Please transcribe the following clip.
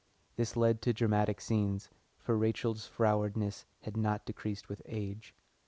This led to dramatic scenes, for Rachel's frowardness had not decreased with age.